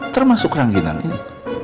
termasuk rangginan ini